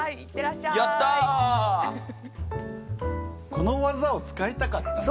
この技を使いたかったんです。